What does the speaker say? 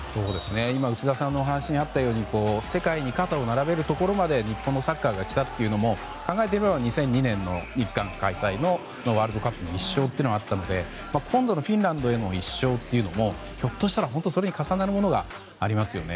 今、内田さんのお話にあったように世界に肩を並べるところまで日本のサッカーがきたというのも考えてみれば２００２年の日韓開催のワールドカップの１勝があったので今度のフィンランドの１勝もそれに重なるものがありますね。